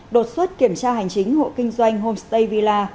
đột xuất kiểm tra hành chính hộ kinh doanh homestay villa